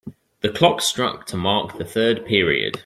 The clock struck to mark the third period.